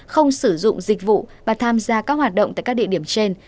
không sử dụng dịch vụ và tham gia các hoạt động tại các địa điểm trên